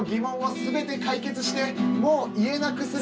全て解決してもう言えなくする